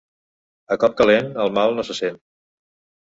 A cop calent el mal no se sent.